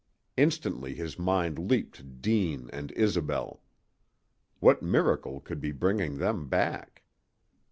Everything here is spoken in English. Instantly his mind leaped to Deane and Isobel. What miracle could be bringing them back?